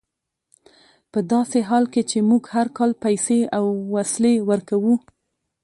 په داسې حال کې چې موږ هر کال پیسې او وسلې ورکوو.